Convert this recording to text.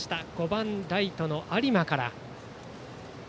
５番ライト、有馬から。